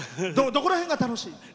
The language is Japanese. どこら辺が楽しい？